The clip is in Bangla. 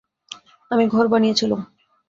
আমি ঘর বানিয়েছিলুম।